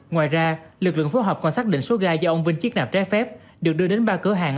ngoài ra lực lượng phối hợp quan sát định số ga do ông vinh chiếc nạp trái phép được đưa đến ba cửa hàng